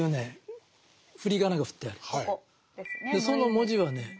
その文字はね